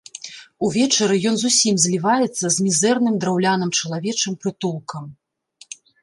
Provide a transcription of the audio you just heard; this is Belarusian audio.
Увечары ён зусім зліваецца з мізэрным драўляным чалавечым прытулкам.